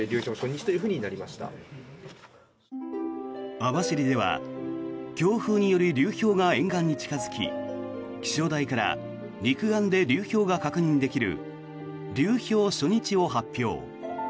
網走では強風により流氷が沿岸に近付き気象台から肉眼で流氷が確認できる流氷初日を発表。